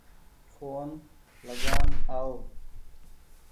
ڦون لگآن آئو